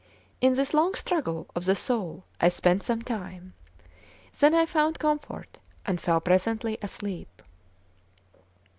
In this long struggle of the soul I spent some time; then I found comfort, and fell presently asleep.